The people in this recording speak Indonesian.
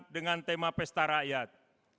dengan tema pesta rakyat